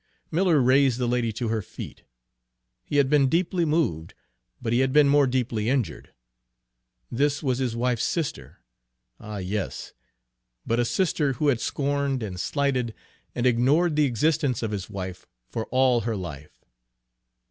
Miller raised the lady to her feet. He had been deeply moved, but he had been more deeply injured. This was his wife's sister, ah, yes! but a sister who had scorned and slighted and ignored the existence of his wife for all her life.